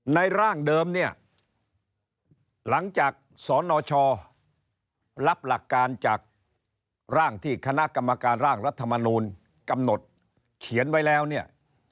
ร่างเดิมเนี่ยหลังจากสนชรับหลักการจากร่างที่คณะกรรมการร่างรัฐมนูลกำหนดเขียนไว้แล้วเนี่ย